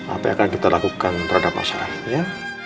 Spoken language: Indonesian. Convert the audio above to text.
apa yang akan kita lakukan terhadap masalah ini ya